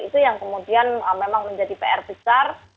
itu yang kemudian memang menjadi pr besar